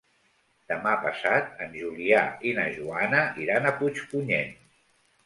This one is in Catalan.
Demà passat en Julià i na Joana iran a Puigpunyent.